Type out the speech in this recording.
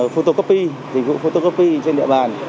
photocopy dịch vụ photocopy trên địa bàn